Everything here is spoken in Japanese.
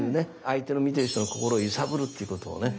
相手の見ている人の心をゆさぶるっていうことをね